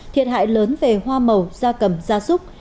thiệt hại lớn về hoa màu da cầm da súc